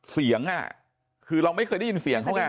เสียงคือเราไม่เคยได้ยินเสียงเขาไง